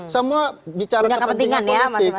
semua bicara kepentingan politik